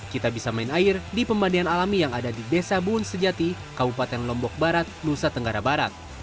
kita bisa main air di pemandian alami yang ada di desa buun sejati kabupaten lombok barat nusa tenggara barat